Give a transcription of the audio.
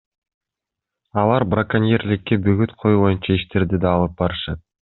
Алар браконьерликке бөгөт коюу боюнча иштерди да алып барышат.